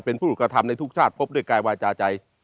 เป็นผู้ถูกกระทำในทุกชาติพบด้วยกายวาจาใจ